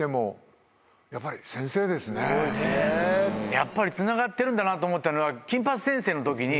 やっぱりつながってるんだなと思ったのは。